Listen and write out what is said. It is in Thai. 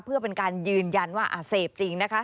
เพื่อเป็นการยืนยันว่าเสพจริงนะคะ